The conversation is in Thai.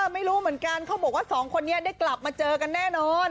ไม่รู้เหมือนกันเขาบอกว่าสองคนนี้ได้กลับมาเจอกันแน่นอน